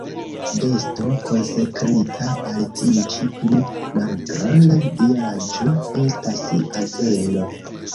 Besto konsekrita al tiu ĉi pli malgranda diaĵo estas azeno.